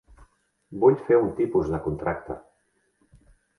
Vull fer un tipus de contracte.